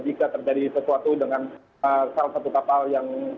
jika terjadi sesuatu dengan salah satu kapal yang